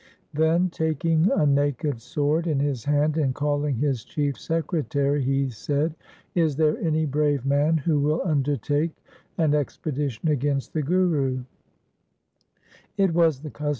Then, taking a naked sword in his hand and calling his chief secretary, he said, ' Is there any brave man who will undertake an expedition against the Guru